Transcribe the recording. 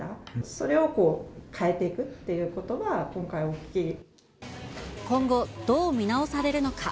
それを変えていくっていうことは、今後、どう見直されるのか。